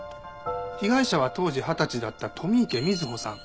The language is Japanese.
被害者は当時二十歳だった富池瑞穂さん。